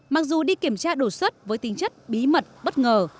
mặc dù đi kiểm tra đột xuất với tính chất bí mật bất ngờ